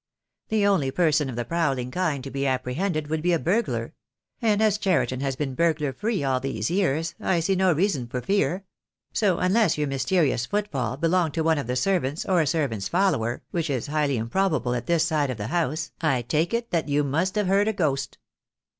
The only person of the prowling kind to be apprehended would be a burglar; and as Cheriton has been burglar free all these years, I see no reason for fear; so unless your mysterious footfall belonged to one of the servants or a servant's follower, which is highly improbable on this side of the house, I take it that you must have heard a ghost."